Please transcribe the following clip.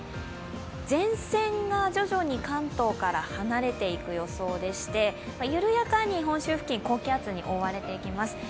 前線が徐々に関東から離れていく予想でして緩やかに本州付近、高気圧に覆われていきます。